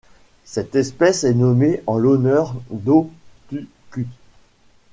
Cette espèce est nommée en l'honneur d'Ho Thu Cuc.